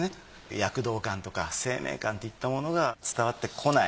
躍動感とか生命感といったものが伝わってこない。